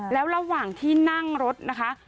แล้วระหว่างที่นั่งรถนะคะ